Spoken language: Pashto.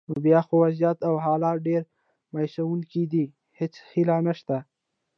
نو بیا خو وضعیت او حالات ډېر مایوسونکي دي، هیڅ هیله نشته.